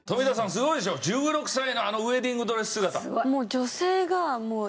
すごいでしょ１６歳のあのウエディングドレス姿。